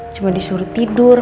cuma disuruh tidur